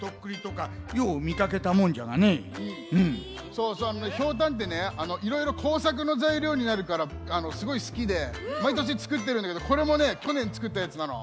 そうそうひょうたんってねいろいろこうさくのざいりょうになるからすごいすきでまいとしつくってるんだけどこれもねきょねんつくったやつなの。